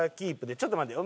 ちょっと待てよ。